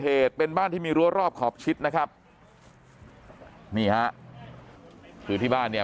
เหตุเป็นบ้านที่มีรั้วรอบขอบชิดนะครับนี่ฮะคือที่บ้านเนี่ย